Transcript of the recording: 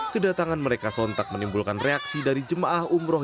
kedatangan mereka sontak menimbulkan reaksi dari jemaah umroh